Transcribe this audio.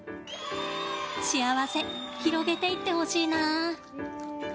幸せ広げていってほしいな。